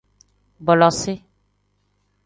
Bolosiv.